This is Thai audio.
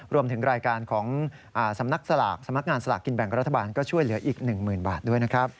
รวมถึงรายการของสำนักสลากสำนักงานสลากกินแบ่งรัฐบาลก็ช่วยเหลืออีก๑๐๐๐บาทด้วยนะครับ